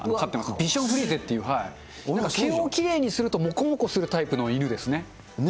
ビショプリーゼっていなんか毛をきれいにするともこもこするタイプの犬ですね。